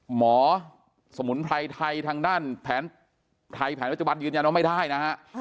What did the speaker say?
สมุนไพรไทยทางด้านแผนไทยแผนปัจจุบันยืนยันว่าไม่ได้นะฮะ